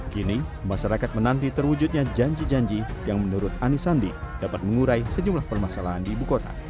kini masyarakat menanti terwujudnya janji janji yang menurut anies sandi dapat mengurai sejumlah permasalahan di ibu kota